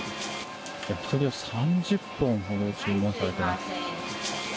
焼き鳥を３０本ほど注文されています。